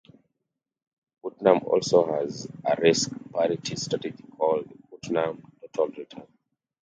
Putnam also has a Risk parity strategy called the Putnam Total Return.